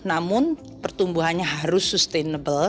namun pertumbuhannya harus sustainable